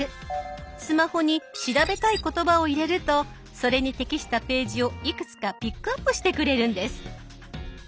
スマホに調べたい言葉を入れるとそれに適したページをいくつかピックアップしてくれるんです。